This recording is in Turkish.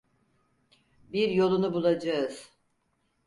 Bir yolunu bulacağız.